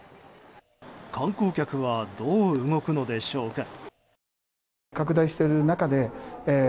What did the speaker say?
観光客はどう動くのでしょうか。